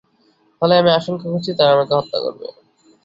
ফলে আমি আশংকা করছি, তারা আমাকে হত্যা করবে।